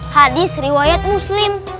hadis riwayat muslim